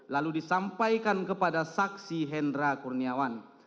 lalu disampaikan kepada saksi hendra kurniawan